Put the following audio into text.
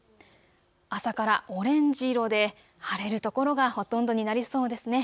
朝からオレンジ色で晴れる所がほとんどになりそうですね。